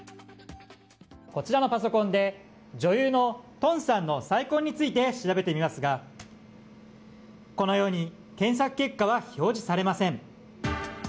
こちらのパソコンで女優のトンさんの再婚について調べてみますがこのように、検索結果は表示されません。